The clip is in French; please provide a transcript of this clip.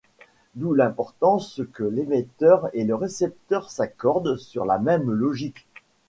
D'où l'importance que l'émetteur et le récepteur s'accordent sur la même logique.